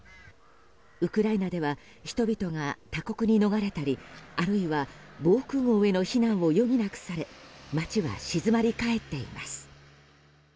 ウクライナでは人々が他国に逃れたりあるいは防空壕への避難を余儀なくされ街は静まり返っています。